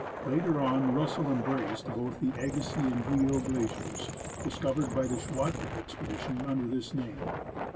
Later on, Russell embraced both the Agassiz and Guyot Glaciers, discovered by the Schwatka expedition, under this name.